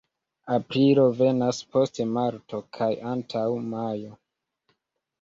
Aprilo venas post marto kaj antaŭ majo.